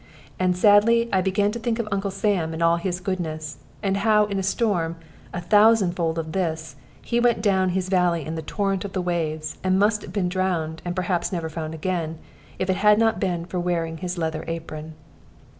And sadly I began to think of Uncle Sam and all his goodness; and how in a storm, a thousandfold of this, he went down his valley in the torrent of the waves, and must have been drowned, and perhaps never found again, if he had not been wearing his leathern apron.